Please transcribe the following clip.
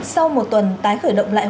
sau một tuần tái khởi động lãnh quốc